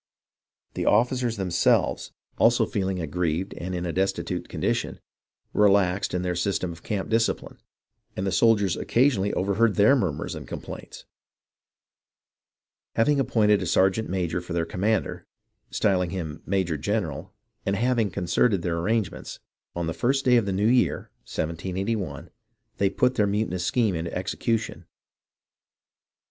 The officers themselves, also feeling H <^>> to o ^ a 1 5 i f i 4 = THE REVOLT OF THE SOLDIERS 309 aggrieved and in a destitute condition, relaxed in their system of camp discipline, and the soldiers occasionally overheard their murmurs and complaints. Having ap pointed a sergeant major for their commander, styling him major general, and having concerted their arrangements, on the first day of the new year they put their muti nous scheme into execution.